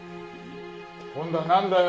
今度はなんだよ？